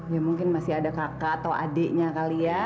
ya mungkin masih ada kakak atau adiknya kali ya